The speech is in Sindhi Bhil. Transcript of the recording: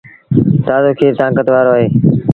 تآزو کير تآݩڪت وآرو اهي۔